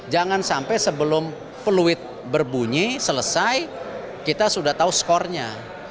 jangan sampai sebelum peluit berbunyi selesai kita sudah tahu skornya